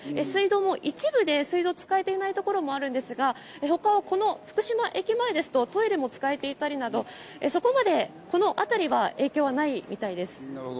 水道も一部で水道が使えていないところもあるんですが福島駅前ですとトイレも使えていたりなど、そこまで、このあたりは影響はないみたいです。